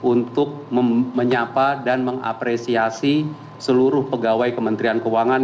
untuk menyapa dan mengapresiasi seluruh pegawai kementerian keuangan